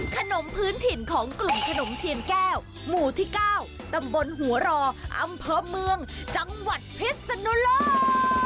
ขนมพื้นถิ่นของกลุ่มขนมเทียนแก้วหมู่ที่๙ตำบลหัวรออำเภอเมืองจังหวัดพิษนุโลก